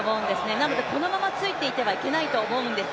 なのでこのままついていってはいけないと思うんです。